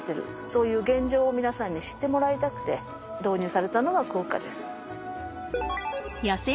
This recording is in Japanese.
そういう現状を皆さんに知ってもらいたくて導入されたのがクオッカです。